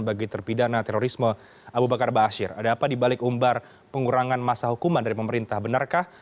waktu indonesia kang denny